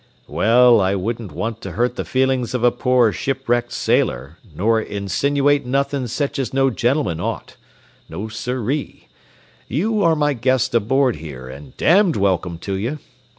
"Well, I don't want to hurt the feelings of a poor, shipwrecked sailor, nor insinuate nothing sech as no gentleman ought. No, sirree. You are my guest aboard here, and damned welcome to you.